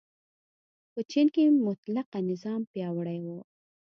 په چین کې مطلقه نظام پیاوړی و.